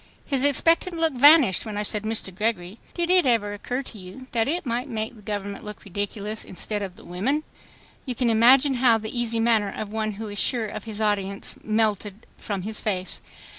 His expectant look vanished when I said, "Mr. Gregory, did it ever occur to you that it might make the government look ridiculous instead of the women?" You can imagine bow the easy manner of one who is sure of his audience melted from his face.